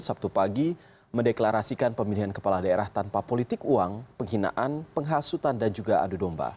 sabtu pagi mendeklarasikan pemilihan kepala daerah tanpa politik uang penghinaan penghasutan dan juga adu domba